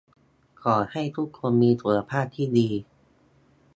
ขอให้ทุกคนมีสุขภาพที่ดี